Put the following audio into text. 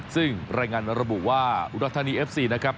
ซึ่งรายงานระบุว่าอุดรธานีเอฟซีนะครับ